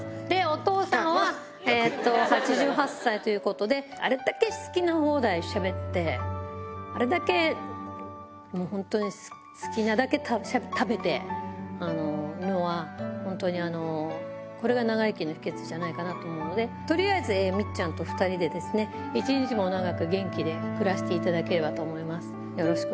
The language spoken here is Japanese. で、お父さんは８８歳ということで、あれだけ好き放題しゃべって、あれだけ、もう本当に好きなだけ食べてるのは、本当に、これが長生きの秘けつじゃないかなと思うので、とりあえずみっちゃんと２人でですね、一日も長く元気で暮らしていただければと思います。